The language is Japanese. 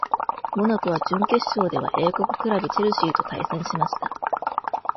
モナコは準決勝では英国クラブチェルシーと対戦しました。